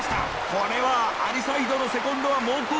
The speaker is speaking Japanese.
これはアリサイドのセコンドは猛攻